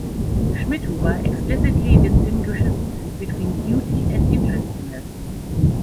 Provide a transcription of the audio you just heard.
Schmidhuber explicitly distinguishes between beauty and interestingness.